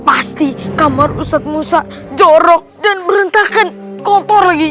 pasti kamar ustadz musa jorok dan berentakan kotor lagi